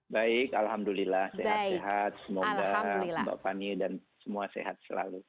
baik alhamdulillah sehat sehat semoga mbak fani dan semua sehat selalu